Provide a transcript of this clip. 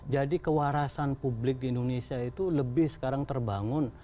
jadi kewarasan publik di indonesia itu lebih sekarang terbangun